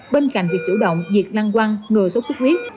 biểu động diệt năng quăng ngừa suốt suốt huyết